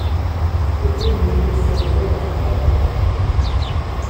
өдрийн тэмдэглэлээ нөгөө талд нь байрлуул.